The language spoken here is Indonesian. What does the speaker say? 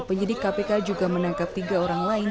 penyidik kpk juga menangkap tiga orang lain